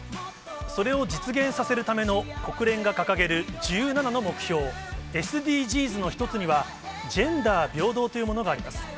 それを実現させるための国連が掲げる１７の目標、ＳＤＧｓの１つには、ジェンダー平等というものがあります。